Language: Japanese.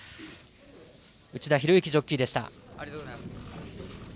内田博幸ジョッキーでした。